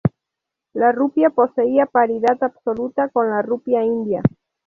La rupia poseía paridad absoluta con la rupia india.